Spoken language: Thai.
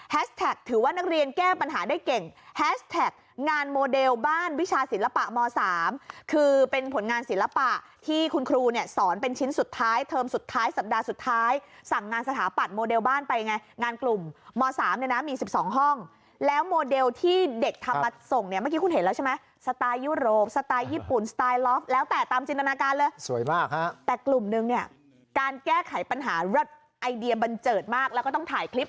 แฮสแท็กถือว่านักเรียนแก้ปัญหาได้เก่งแฮสแท็กงานโมเดลบ้านวิชาศิลปะม๓คือเป็นผลงานศิลปะที่คุณครูเนี้ยสอนเป็นชิ้นสุดท้ายเทอมสุดท้ายสัปดาห์สุดท้ายสั่งงานสถาปัดโมเดลบ้านไปไงงานกลุ่มม๓เนี้ยนะมีสิบสองห้องแล้วโมเดลที่เด็กถาปัดส่งเนี้ยเมื่อกี้คุณเห็นแล้วใช่ไหมสไตล